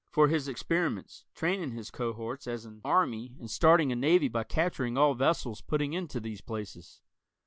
for his experiments, training his cohorts as an army, and starting a navy by capturing all vessels putting into these places?